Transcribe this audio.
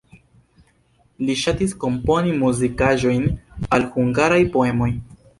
Li ŝatis komponi muzikaĵojn al hungaraj poemoj.